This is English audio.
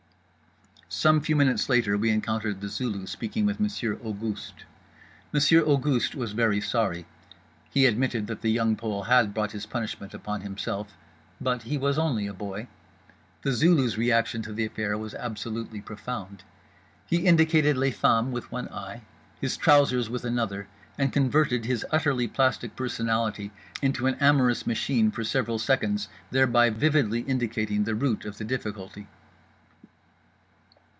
Some few minutes later we encountered The Zulu speaking with Monsieur Auguste. Monsieur Auguste was very sorry. He admitted that The Young Pole had brought his punishment upon himself. But he was only a boy. The Zulu's reaction to the affair was absolutely profound: he indicated les femmes with one eye, his trousers with another, and converted his utterly plastic personality into an amorous machine for several seconds, thereby vividly indicating the root of the difficulty.